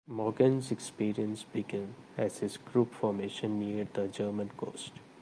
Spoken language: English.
Morgan's experience began as his group formation neared the German coast.